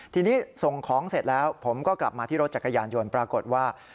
ทีนี้ส่งของเสร็จแล้วผมก็กลับมาที่รถจักรยานยนต์ปรากฏว่า